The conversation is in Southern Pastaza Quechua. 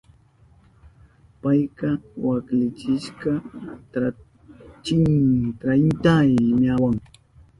Payka waklichishka trahinta lihiyawa.